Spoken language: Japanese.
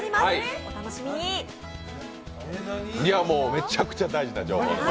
めちゃくちゃ大事な情報です。